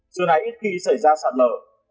giờ này ít khi xảy ra sạt lở